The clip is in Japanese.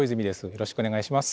よろしくお願いします。